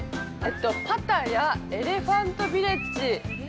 パタヤエレファントビレッジ。